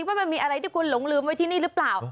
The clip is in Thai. ว่ามันมีอะไรที่คุณหลงลืมไว้ที่นี่หรือเปล่า